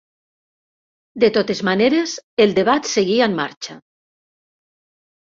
De totes maneres, el debat seguia en marxa.